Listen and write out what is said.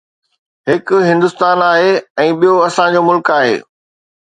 : هڪ هندستان آهي ۽ ٻيو اسان جو ملڪ آهي.